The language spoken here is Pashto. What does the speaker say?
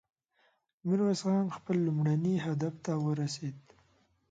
ميرويس خان خپل لومړني هدف ته ورسېد.